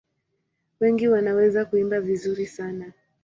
Wengi wanaweza kuimba vizuri sana.